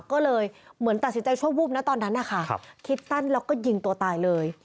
ก็เลยเหมือนตัดสินใจชั่ววูบนะตอนนั้นนะคะคิดสั้นแล้วก็ยิงตัวตายเลย